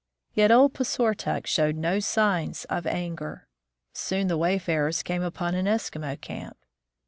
Yet old Puisortok showed no signs of anger. Soon the wayfarers came upon an Eskimo camp.